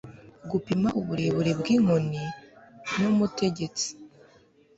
Gupima uburebure bw'inkoni n'umutegetsi.